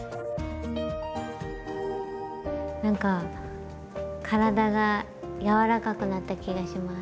何か体がやわらかくなった気がします。